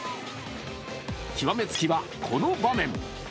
極め付きはこの場面。